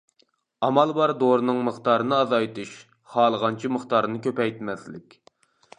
ئامال بار دورىنىڭ مىقدارىنى ئازايتىش، خالىغانچە مىقدارىنى كۆپەيتمەسلىك.